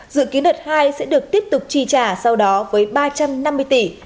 dự kiến đợt hai sẽ được tiếp tục chi trả sau đó với ba trăm năm mươi tỷ